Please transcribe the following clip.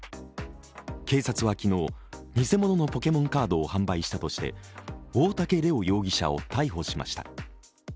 警察は昨日、偽物のポケモンカードを販売したとして大竹玲央容疑者を逮捕しました。